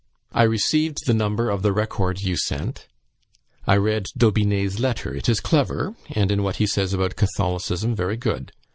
I received the number of the 'Record' you sent ... I read D'Aubigne's letter. It is clever, and in what he says about Catholicism very good.